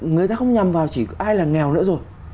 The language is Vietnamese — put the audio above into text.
người ta không nhầm vào chỉ ai là nghèo nữa rồi